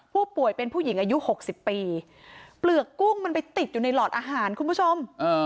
ผู้ป่วยเป็นผู้หญิงอายุ๖๐ปีเปลือกกุ้งมันไปติดอยู่ในหลอดอาหารคุณผู้ชม